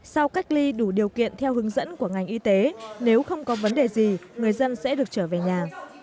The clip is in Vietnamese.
sau cách ly đủ điều kiện theo hướng dẫn của ngành y tế nếu không có vấn đề gì người dân sẽ được trở về nhà